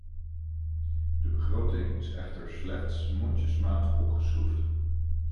De begroting is echter slechts mondjesmaat opgeschroefd.